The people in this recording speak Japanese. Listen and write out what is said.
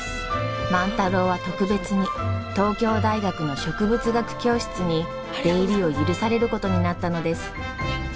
万太郎は特別に東京大学の植物学教室に出入りを許されることになったのです。